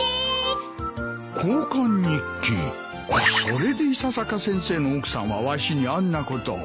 それで伊佐坂先生の奥さんはわしにあんなことを。